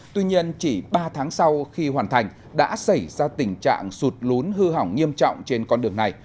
tuy nhiên chỉ ba tháng sau khi hoàn thành đã xảy ra tình trạng sụt lún hư hỏng nghiêm trọng trên con đường này